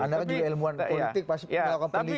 anda kan juga ilmuwan politik